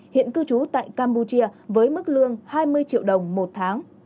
hiện cư trú tại campuchia với mức lương hai mươi triệu đồng một tháng